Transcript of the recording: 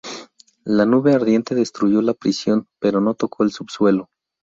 La nube ardiente destruyó la prisión pero no tocó el subsuelo.